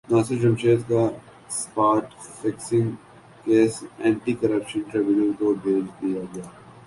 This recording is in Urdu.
ناصر جمشید کا spot fixing case anti corruption tribunal کو بھیج دیاگیا